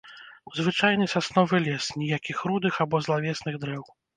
Звычайны сасновы лес, ніякіх рудых або злавесных дрэў.